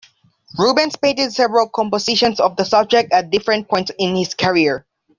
Rubens painted several compositions of the subject at different points in his career.